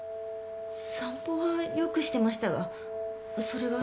散歩はよくしてましたがそれが？